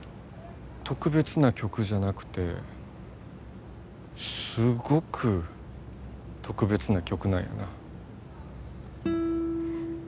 特別な曲じゃなくてすごく特別な曲なんやな。